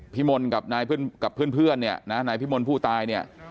พิมลกับนายเพื่อนกับเพื่อนเพื่อนเนี่ยนะฮะนายพิมลผู้ตายเนี่ย